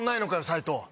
サイトウ。